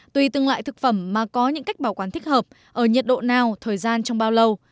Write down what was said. tùy từng loại thực phẩm mà có những cách bảo quản thích hợp ở nhiệt độ nào thời gian trong bao lâu